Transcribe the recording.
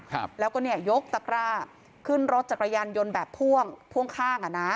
ครับแล้วก็เนี่ยยกตะกร้าขึ้นรถจักรยานยนต์แบบพ่วงพ่วงข้างอ่ะนะ